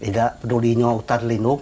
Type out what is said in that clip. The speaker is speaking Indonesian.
tidak peduli hutan lindung